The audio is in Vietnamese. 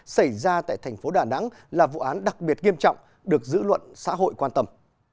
xảy ra tại tp đà nẵng là vụ án đặc biệt nghiêm trọng được dữ luận xã hội quan tâm